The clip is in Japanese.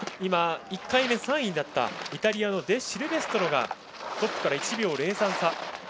１回目、３位だったイタリアのデシルベストロがトップから１秒０３差。